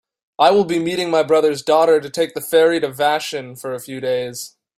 I will be meeting my brother's daughter to take the ferry to Vashon for a few days.